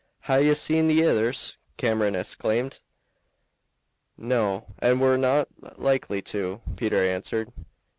"Hae ye seen the ithers?" Cameron exclaimed. "No, and were not likely to," Peter answered.